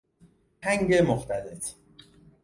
هنگ مختلط